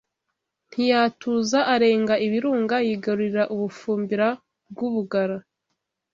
Ntiyatuza, arenga Ibirunga yigarurira u Bufumbira bw'u Bugara